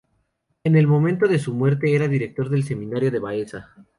En el momento de su muerte era director del Seminario de Baeza.